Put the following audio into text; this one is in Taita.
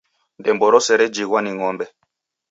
Ndembo rose rejhighwa ni ng'ombe.